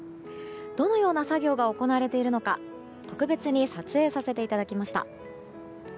どのような作業が行われているのか特別に撮影させていただきました。